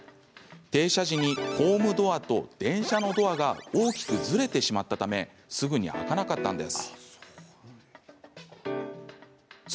停車時にホームドアと電車のドアが大きくずれてしまったためすぐに開かなかったんです。